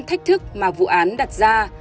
thách thức mà vụ án đặt ra